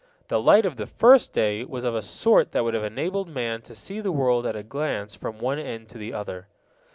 The light of the first day was of a sort that would have enabled man to see the world at a glance from one end to the other.